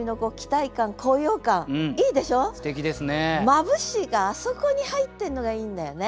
「眩し」があそこに入ってんのがいいんだよね。